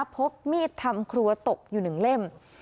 พบมิตรทำครัวตกอยู่หนึ่งเล่ม